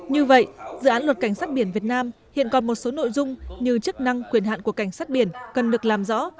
như vậy dự án luật cảnh sát biển việt nam hiện còn một số nội dung như chức năng quyền hạn của cảnh sát biển cần được làm rõ